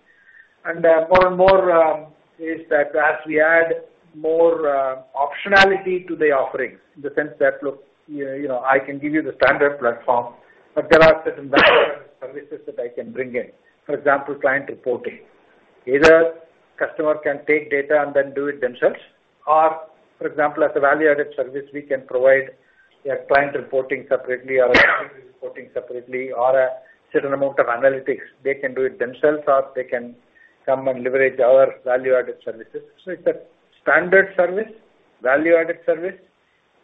More and more is that as we add more optionality to the offerings in the sense that, look, you know, I can give you the standard platform, but there are certain value add services that I can bring in. For example, client reporting. Either customer can take data and then do it themselves or for example as a value-added service we can provide a client reporting separately or reporting separately or a certain amount of analytics. They can do it themselves or they can come and leverage our value-added services. So it's a standard service, value-added service.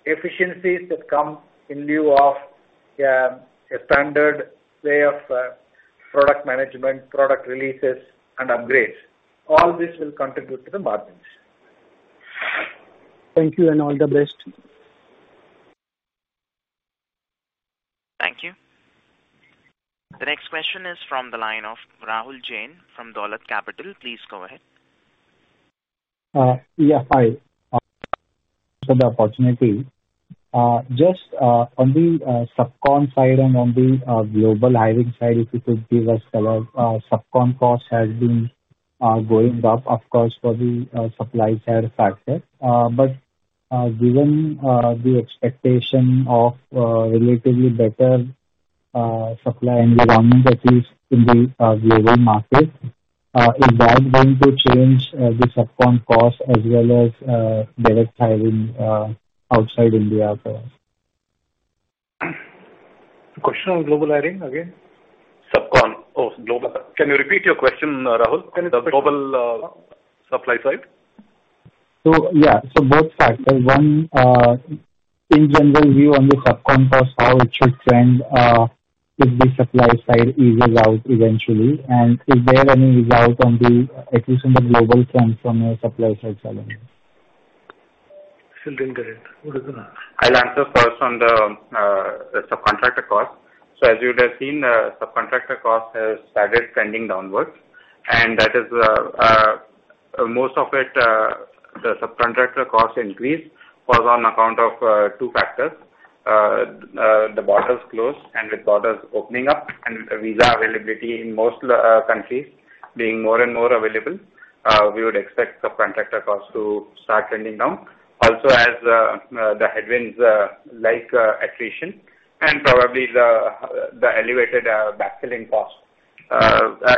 Efficiencies that come in lieu of a standard way of product management, product releases and upgrades. All this will contribute to the margins. Thank you and all the best. Thank you. The next question is from the line of Rahul Jain from Dolat Capital. Please go ahead. Hi. Thanks for the opportunity. Just on the sub-con side and on the global hiring side, if you could give us color. Sub-con cost has been going up, of course, for the supply side factor. Given the expectation of relatively better supply environment that is in the global market, is that going to change the sub-con cost as well as direct hiring outside India for- The question on global hiring again? Can you repeat your question, Rahul? The global supply side. Both sides. One, in general view on the subcontractor, how it should trend, if the supply side eases out eventually, and is there any result on the, at least in the global trend from a supply side challenge? Still didn't get it. What is it now? I'll answer first on the subcontractor cost. As you would have seen, subcontractor cost has started trending downwards, and that is most of it, the subcontractor cost increase was on account of two factors. The borders closed and with borders opening up and visa availability in most countries being more and more available, we would expect subcontractor costs to start trending down. Also, as the headwinds like attrition and probably the elevated backfilling costs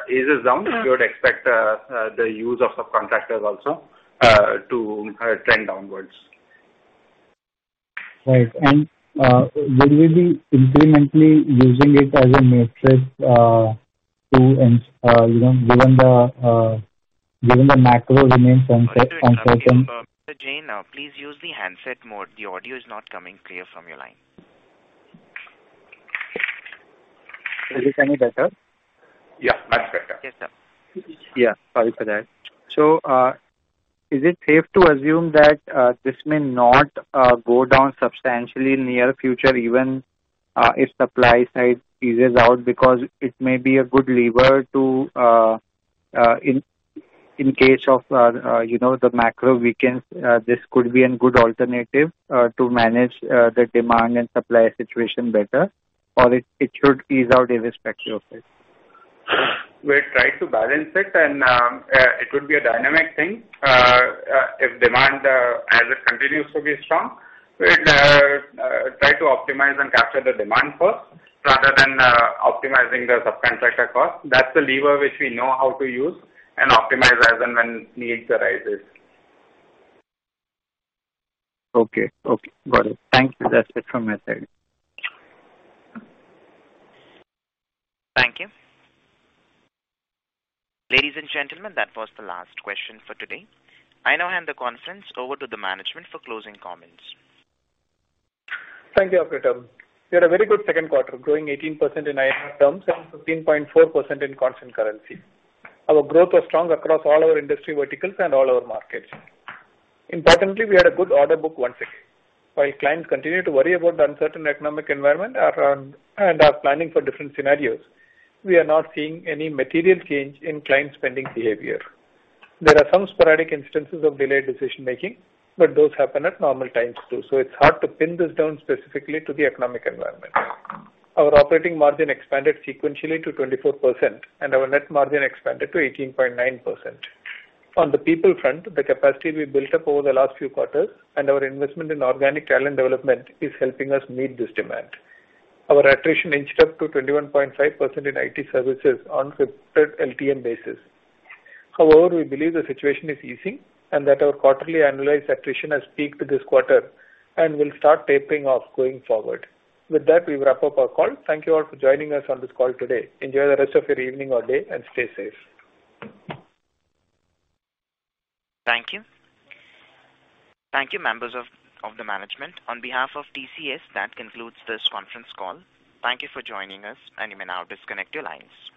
eases down, we would expect the use of subcontractors also to trend downwards. Right. Will we be incrementally using it as a metric, you know, given the macro remains uncertain? Mr. Jain, please use the handset mode. The audio is not coming clear from your line. Is this any better? Much better. Sorry for that. Is it safe to assume that this may not go down substantially in near future, even if supply side eases out because it may be a good lever to in case of you know the macro weakens, this could be a good alternative to manage the demand and supply situation better, or it should ease out irrespective of it? We'll try to balance it and it would be a dynamic thing. If demand as it continues to be strong, we'd try to optimize and capture the demand first rather than optimizing the subcontractor cost. That's the lever which we know how to use and optimize as and when needs arises. Okay. Okay. Got it. Thank you. That's it from my side. Thank you. Ladies and gentlemen, that was the last question for today. I now hand the conference over to the management for closing comments. Thank you, operator. We had a very good second quarter, growing 18% in INR terms and 15.4% in constant currency. Our growth was strong across all our industry verticals and all our markets. Importantly, we had a good order book once again. While clients continue to worry about the uncertain economic environment around and are planning for different scenarios, we are not seeing any material change in client spending behavior. There are some sporadic instances of delayed decision-making, but those happen at normal times too, so it's hard to pin this down specifically to the economic environment. Our operating margin expanded sequentially to 24%, and our net margin expanded to 18.9%. On the people front, the capacity we built up over the last few quarters and our investment in organic talent development is helping us meet this demand. Our attrition inched up to 21.5% in IT services on shifted LTM basis. However, we believe the situation is easing and that our quarterly annualized attrition has peaked this quarter and will start tapering off going forward. With that, we wrap up our call. Thank you all for joining us on this call today. Enjoy the rest of your evening or day and stay safe. Thank you. Thank you, members of the management. On behalf of TCS, that concludes this conference call. Thank you for joining us, and you may now disconnect your lines.